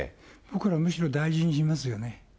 僕ら、むしろ大事にしますよね。